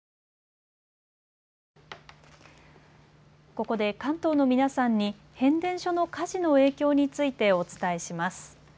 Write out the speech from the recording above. ここで関東の皆さんに変電所の火事の影響についてお伝えします。